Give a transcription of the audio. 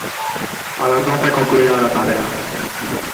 A las doce concluía la tarea.